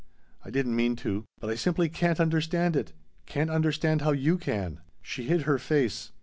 "I didn't mean to but I simply can't understand it. Can't understand how you can." She hid her face.